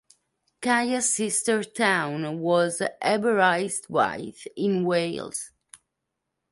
Kaya's sister-town was Aberystwyth in Wales.